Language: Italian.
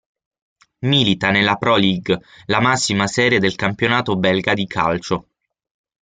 Milita nella Pro League, la massima serie del campionato belga di calcio.